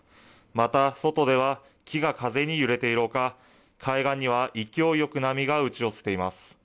また外では木が風に揺れているほか、海岸には勢いよく波が打ち寄せています。